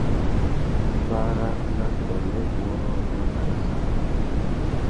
Para na tônê wôrrôri makana sarawussi.